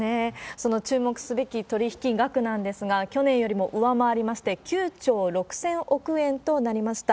その注目すべき取り引き額なんですが、去年よりも上回りまして、９兆６０００億円となりました。